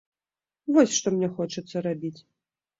Вось што мне хочацца рабіць!